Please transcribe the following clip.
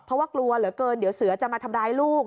เพราะว่ากลัวเหลือเกินเดี๋ยวเสือจะมาทำร้ายลูก